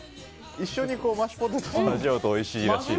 一緒にマッシュポテトを味わうとおいしいらしいです。